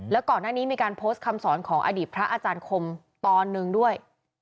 แล้วก่อนหน้านี้มีการโพสต์คำสอนของอดีตพระอาจารย์คมตอนหนึ่งด้วย